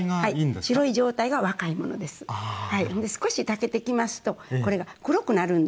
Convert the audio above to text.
少したけてきますとこれが黒くなるんですね。